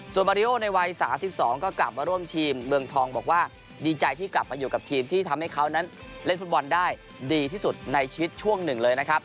ส่วนมาริโอในวัย๓๒ก็กลับมาร่วมทีมเมืองทองบอกว่าดีใจที่กลับมาอยู่กับทีมที่ทำให้เขานั้นเล่นฟุตบอลได้ดีที่สุดในชีวิตช่วงหนึ่งเลยนะครับ